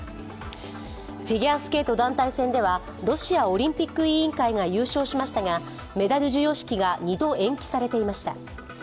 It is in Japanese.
フィギュアスケート団体戦ではロシアオリンピック委員会が優勝しましたが、メダル授与式が２度延期されていました。